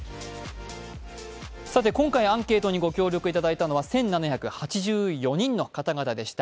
今回アンケートにご協力いただいたのは１７８４人の方々でした。